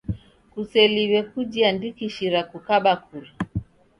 Kuseliw'e kujiandikishira kukaba kura